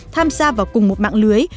tham gia vào cùng một mạng lưới